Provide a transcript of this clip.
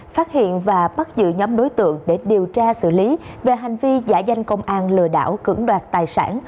phát hiện và bắt giữ nhóm đối tượng để điều tra xử lý về hành vi giả danh công an lừa đảo cưỡng đoạt tài sản